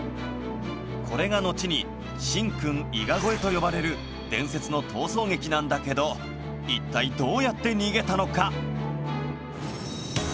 これがのちに神君伊賀越えと呼ばれる伝説の逃走劇なんだけど一体どうやって逃げたのか？